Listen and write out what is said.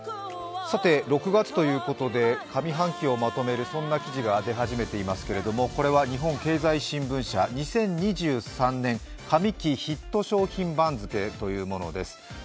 ６月ということで上半期をまとめる記事が出始めていますけどこれは日本経済新聞社２０２３年上期ヒット商品番付というものです。